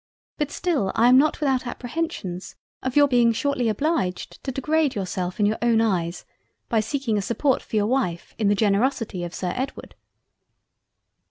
But still I am not without apprehensions of your being shortly obliged to degrade yourself in your own eyes by seeking a support for your wife in the Generosity of Sir Edward."